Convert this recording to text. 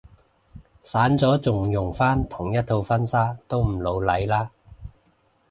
散咗仲用返同一套婚紗都唔老嚟啦